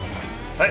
はい。